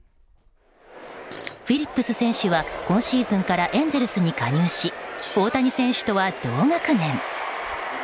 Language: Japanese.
フィリップス選手は今シーズンからエンゼルスに加入し大谷選手とは同学年。